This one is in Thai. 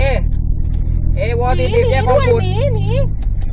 นีหนีด้วยหนีหนี